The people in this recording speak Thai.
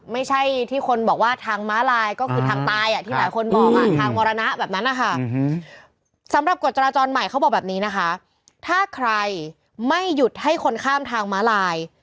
ไม่หยุดให้คนข้ามทางมาลาย